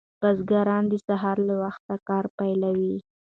بزګران د سهار له وخته کار پیلوي.